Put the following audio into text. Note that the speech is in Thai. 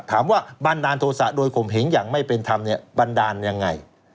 ถามว่าบันดานโทษะโดยกลมเห็งอย่างไม่เป็นทำบันดานอย่างไร